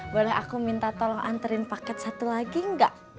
boleh aku minta tolong anterin paket satu lagi enggak